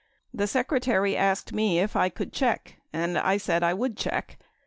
The Secretary asked me if I could check, and I said I would check.